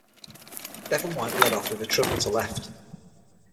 Devon White led off with a triple to left.